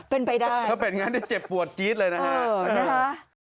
เป็นไปได้เขาแปลงงานได้เจ็บปวดจี๊ดเลยนะฮะ